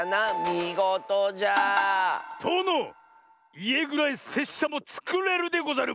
みごとじゃ！とのいえぐらいせっしゃもつくれるでござる！